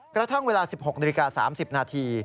กระทั่งเวลา๑๖นาฬิกา๓๐นาที